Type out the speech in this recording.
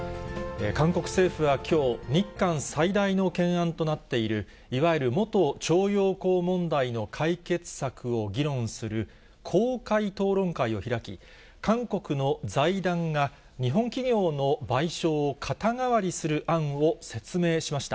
韓国政府はきょう、日韓最大の懸案となっている、いわゆる元徴用工問題の解決策を議論する公開討論会を開き、韓国の財団が日本企業の賠償を肩代わりする案を説明しました。